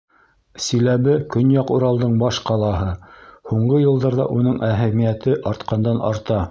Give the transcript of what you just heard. Силәбе — Көньяҡ Уралдың баш ҡалаһы, һуңғы йылдарҙа уның әһәмиәте артҡандан-арта.